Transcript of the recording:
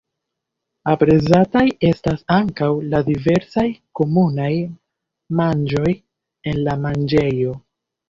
Aprezataj estas ankaŭ la diversaj komunaj manĝoj en la manĝejo.